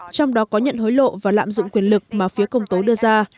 trong đó có nhận hối lộ và lạm dụng quyền lực mà phía công tố đưa ra